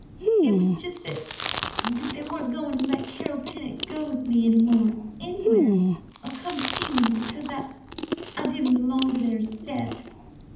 "It was just that—that they weren't going to let Carl Pennock go with me any more—anywhere, or come to see me, because I—I didn't belong to their set."